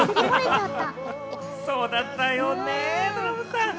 そうだったよね、ドラムさん。